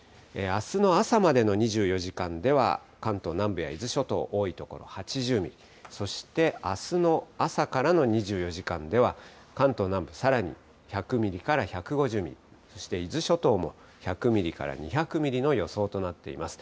あすの朝までの２４時間では、関東南部や伊豆諸島、多い所８０ミリ、そして、あすの朝からの２４時間では、関東南部、さらに１００ミリから１５０ミリ、そして伊豆諸島も、１００ミリから２００ミリの予想となっています。